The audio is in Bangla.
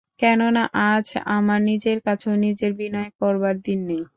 কেননা, আজ আমার নিজের কাছেও নিজের বিনয় করবার দিন নেই।